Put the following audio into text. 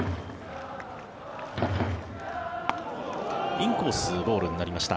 インコースボールになりました。